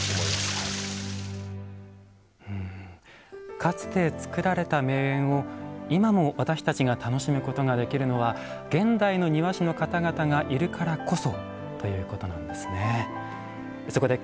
かつて、つくられた名園を今も私たちが楽しむことができるのは現代の庭師の方々がいるからこそということなんですね。